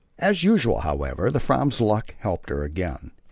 As usual, however, the Fram's luck helped her again.